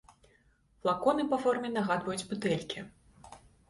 Флаконы па форме нагадваюць бутэлькі.